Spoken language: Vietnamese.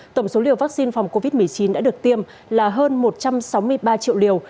tổng số liều vaccine phòng covid một mươi chín đã được tiêm là hơn một trăm sáu mươi ba triệu liều